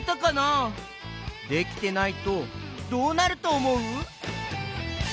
できてないとどうなるとおもう？